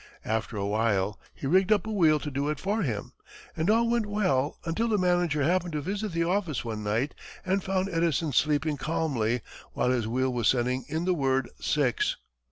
After a while, he rigged up a wheel to do it for him, and all went well until the manager happened to visit the office one night and found Edison sleeping calmly while his wheel was sending in the word "six."